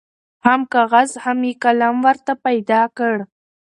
هم کاغذ هم یې قلم ورته پیدا کړ